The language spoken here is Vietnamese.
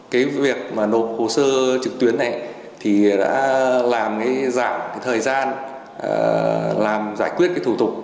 cái việc mà nộp hồ sơ trực tuyến này thì đã làm dạng thời gian làm giải quyết thủ tục